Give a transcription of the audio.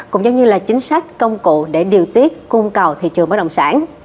cũng giống như là chính sách công cụ để điều tiết cung cầu thị trường bất động sản